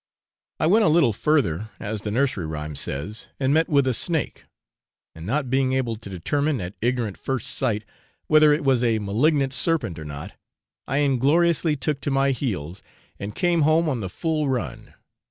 I went a little further, as the nursery rhyme says, and met with a snake, and not being able to determine, at ignorant first sight, whether it was a malignant serpent or not, I ingloriously took to my heels, and came home on the full run.